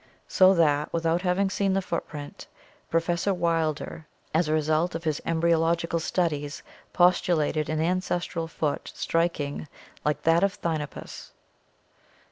So that, without having seen the footprint, Professor Wilder as a result of his em bryological studies postulated an ancestral foot strikingly like that of Thinopus.